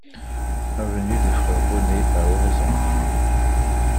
Avenue des Frères Bonnet à Oraison